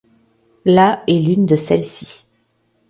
La est l'une de celle-ci.